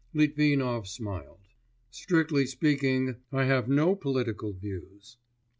Litvinov smiled. 'Strictly speaking, I have no political views.